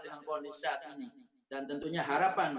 dengan kondisi saat ini dan tentunya harapan